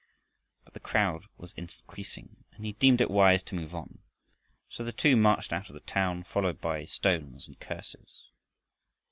But the crowd was increasing, and he deemed it wise to move on. So the two marched out of the town followed by stones and curses.